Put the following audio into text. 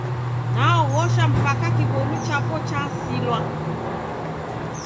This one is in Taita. Naog'osha mpaka kiwonu chapo chasilwa.